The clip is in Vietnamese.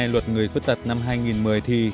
luật người khuyết tật năm hai nghìn một mươi